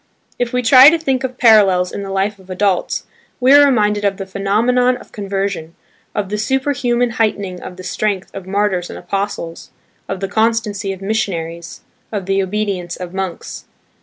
If we try to think of parallels in the life of adults, we are reminded of the phenomenon of conversion, of the superhuman heightening of the strength of martyrs and apostles, of the constancy of missionaries, of the obedience of monks.